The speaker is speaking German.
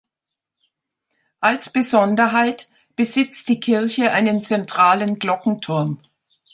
Als Besonderheit besitzt die Kirche einen zentralen Glockenturm.